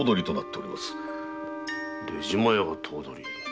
出島屋が頭取。